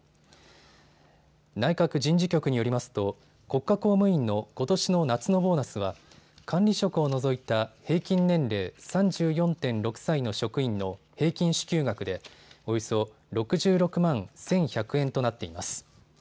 内閣人事局によりますと国家公務員のことしの夏のボーナスは管理職を除いた平均年齢３４．６歳の職員の平均支給額でおよそ６６万１１００円となっています。